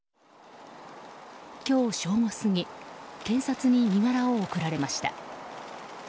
今日正午過ぎ検察に身柄を送られました。